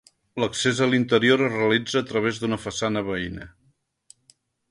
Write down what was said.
L'accés a l'interior es realitza a través d'una façana veïna.